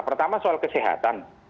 pertama soal kesehatan